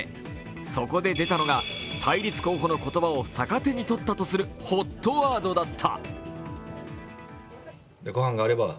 そこで出たのが対立候補の言葉を逆手にとったとされるＨＯＴワードだった。